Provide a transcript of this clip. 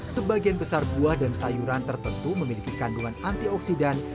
sebagian besar buah dan sayuran tertentu memiliki kandungan antioksidan